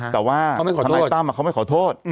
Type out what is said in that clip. แต่ว่าทนายตั้มเขาไม่ขอโทษ